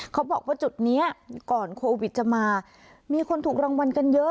เขาบอกว่าจุดนี้ก่อนโควิดจะมามีคนถูกรางวัลกันเยอะ